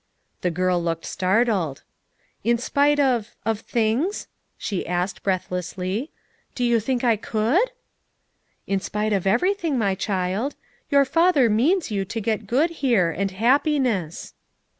The girl looked startled. "In spite of — of things?" she asked breath lessly. "Do you think I could?" "In spite of everything, my child. Your Father means you to get good here, and hap piness."